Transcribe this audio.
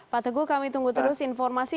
pak teguh kami tunggu terus informasi